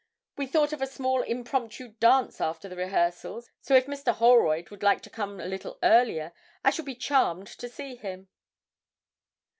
We thought of a small impromptu dance after the rehearsal, so if Mr. Holroyd would like to come a little earlier I shall be charmed to see him.'